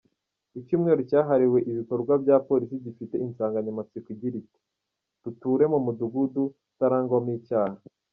Icyumweru cyahariwe ibikorwa bya Polisi gifite insanganyamatsiko igira iti “Duture mu mudugudu utarangwamo icyaha.